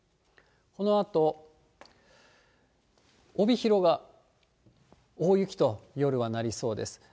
このあと、帯広が大雪と、夜はなりそうです。